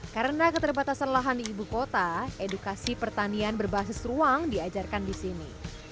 karena keterbatasan lahan di ibukota edukasi pertanian berbasis ruang diajarkan di sini